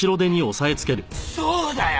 そうだよ。